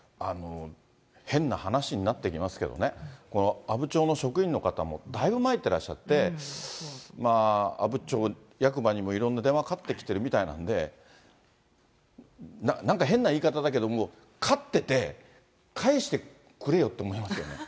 変な話になってきますけどね、阿武町の職員の方もだいぶ参ってらっしゃって、阿武町役場にもいろんな電話かかってきてるみたいなんで、なんか変な言い方だけど、もう勝ってて、返してくれよって思いますよね。